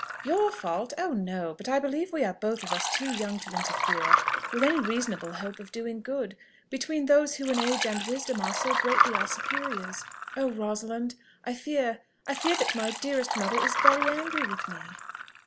"Your fault? Oh no! But I believe we are both of us too young to interfere, with any reasonable hope of doing good, between those who in age and wisdom are so greatly our superiors. Oh, Rosalind! I fear, I fear that my dearest mother is very angry with me!"